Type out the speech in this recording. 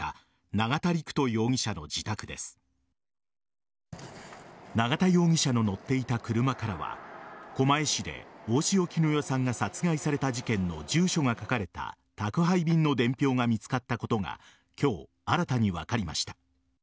永田容疑者の乗っていた車からは狛江市で大塩衣与さんが殺害された事件の住所が書かれた宅配便の伝票が見つかったことが今日、新たに分かりました。